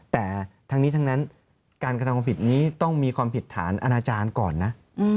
แต่ทั้งนี้ทั้งนั้นการกระทำความผิดนี้ต้องมีความผิดฐานอาณาจารย์ก่อนนะ